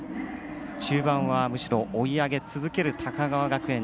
中盤はむしろ追い上げ続ける高川学園。